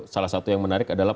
salah satu yang menarik adalah